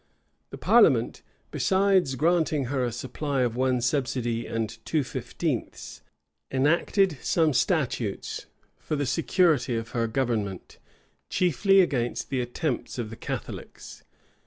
The parliament, besides granting her a supply of one subsidy and two fifteenths, enacted some statutes for the security of her government, chiefly against the attempts of the Catholics.